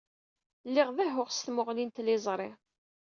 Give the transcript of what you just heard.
Lliɣ dehhuɣ s tmuɣli n tliẓri.